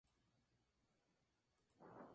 Su capital es la ciudad de Rávena.